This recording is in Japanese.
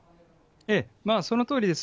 ええ、そのとおりです。